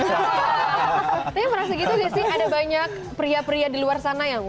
saya merasa gitu gak sih ada banyak pria pria di luar sana yang